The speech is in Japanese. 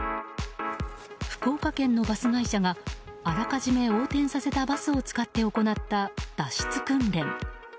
福岡県のバス会社があらかじめ横転させたバスを使って行った、脱出訓練。